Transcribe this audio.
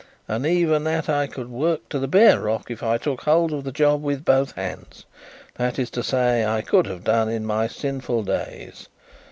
And even that I could work to the bare rock if I took hold of the job with both hands that is to say I could have done in my sinful days.